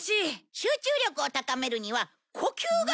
集中力を高めるには呼吸が大事だよ。